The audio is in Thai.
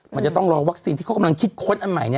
มันจะต้องรอวัคซีนที่เขากำลังคิดค้นอันใหม่